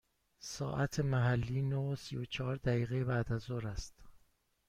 ساعت محلی نه و سی و چهار دقیقه بعد از ظهر است.